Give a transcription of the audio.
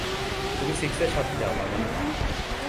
তুমি সিক্সের সাথে যাও, মামণি।